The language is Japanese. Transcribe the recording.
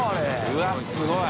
うわぁすごい！